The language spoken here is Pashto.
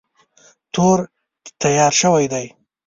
تور تیار شوی دی.